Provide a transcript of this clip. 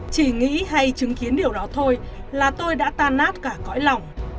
chỉ nghĩ hay chứng kiến điều đó thôi là tôi đã tan nát cả cõi lòng